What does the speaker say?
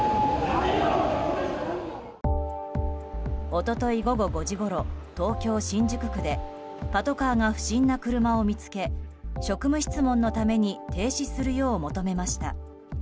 一昨日午後５時ごろ東京・新宿区でパトカーが不審な車を見つけ職務質問のために停止するよう求めました。